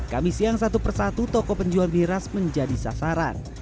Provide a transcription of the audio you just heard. kami siang satu persatu toko penjual miras menjadi sasaran